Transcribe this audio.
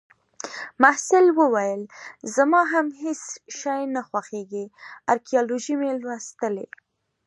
محصل وویل: زما هم هیڅ شی نه خوښیږي. ارکیالوجي مې لوستلې